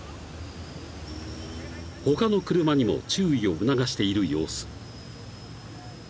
［他の車にも注意を促している様子］